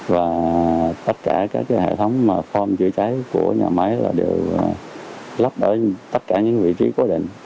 và tất cả các hệ thống phòng chữa cháy của nhà máy đều lắp ở tất cả những vị trí cố định